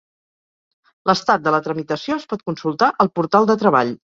L'estat de la tramitació es pot consultar al portal de Treball.